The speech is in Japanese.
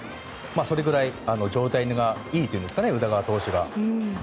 それくらい状態がいいというんですかね、宇田川投手が。